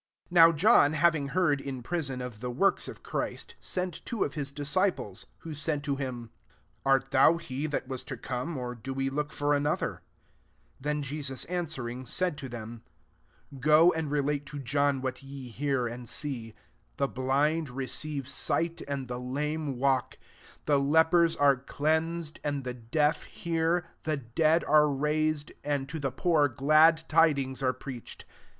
2 NOW John having heard in prison ofxhe works of Christ, sent two of his disciples, 3 who said to him, ^ Art thou he that was to come, or do we look for another V* 4 Then Jesus an swering said to them, " Go and relate to Jphn what ye hear and see : 5 the blind receive sight, and the lame walk; the lepers are cleansed, and the deaf hear ; the dead are raised, and to the poor glad tidings are preached.